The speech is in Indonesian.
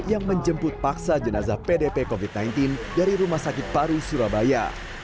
yang menjemput paksa jenazah pdp covid sembilan belas dari rumah sakit paru surabaya